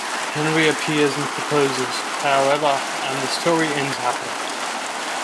Henry appears and proposes, however, and the story ends happily.